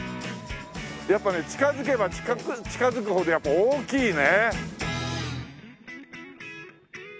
やっぱね近づけば近づくほどやっぱ大きいね。